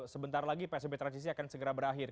sebentar lagi psbb transisi akan segera berakhir